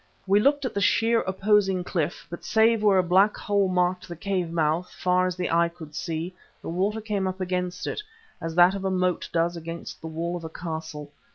We looked at the sheer opposing cliff, but save where a black hole marked the cave mouth, far as the eye could see, the water came up against it, as that of a moat does against the wall of a castle.